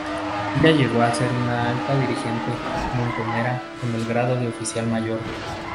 Ella llegó a ser una alta dirigente montonera con el grado de Oficial Mayor.